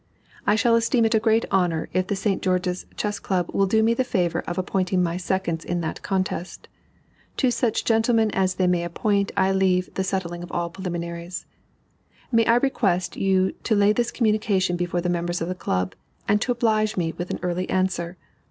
I shall esteem it a great honor if the St. George's Chess Club will do me the favor of appointing my seconds in that contest. To such gentlemen as they may appoint I leave the settling of all preliminaries. May I request you to lay this communication before the members of the Club, and to oblige me with an early answer?